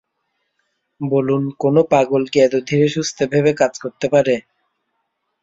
বলুন, কোনো পাগল কি এত ধীরেসুস্থে ভেবে কাজ করতে পারে?